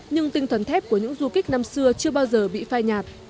nhưng tinh thần thép của những du kích năm xưa chưa bao giờ bị phai nhạt